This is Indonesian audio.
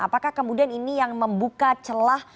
apakah kemudian ini yang membuka celah